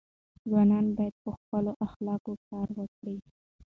ځوانان باید په خپلو اخلاقو کار وکړي.